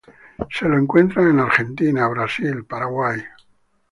Se lo encuentra en Argentina, Brasil, Paraguay.